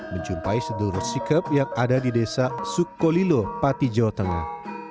menjumpai sedulur sikap yang ada di desa sukolilo pati jawa tengah